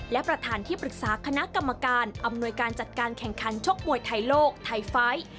และประธานที่ปรึกษาคณะกรรมการอำนวยการจัดการแข่งขันชกมวยไทยโลกไทยไฟท์